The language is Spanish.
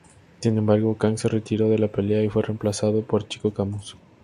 Sin embargo, Kang se retiró de la pelea y fue reemplazado por Chico Camus.